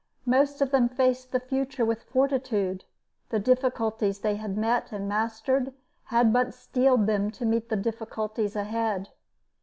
Most of them faced the future with fortitude; the difficulties they had met and mastered had but steeled them to meet the difficulties ahead.